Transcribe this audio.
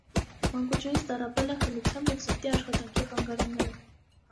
Մանկությունից տառապել է խլությամբ և սրտի աշխատանքի խանգարումներով։